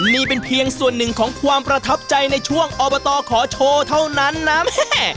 นี่เป็นเพียงส่วนหนึ่งของความประทับใจในช่วงอบตขอโชว์เท่านั้นนะแม่